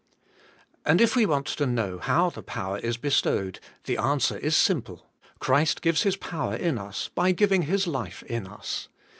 And if we want to know how the power is be stowed, the answer is simple: Christ gives His power in us by giving His life in us.